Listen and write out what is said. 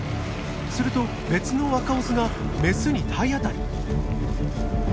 すると別の若オスがメスに体当たり！